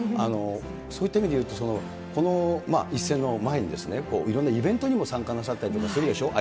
そういった意味でいうと、この一戦の前に、いろんなイベントにも参加なさったりとかするでしょ。